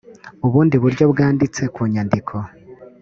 ubundi buryo bwanditse ku nyandiko